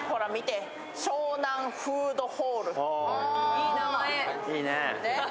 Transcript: いい名前。